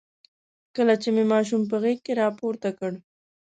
کله چې مې ماشوم په غېږ کې راپورته کړ.